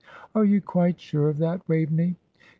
"Are you quite sure of that, Waveney?"